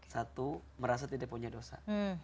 satu merasa tidak punya dosa